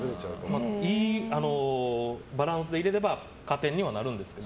いいバランスで入れれば加点にはなるんですけど。